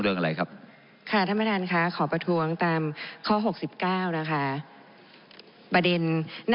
หรือการทิมกรณีของตำรวจ